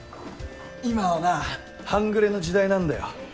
今はな半グレの時代なんだよ。